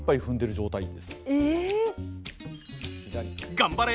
頑張れ！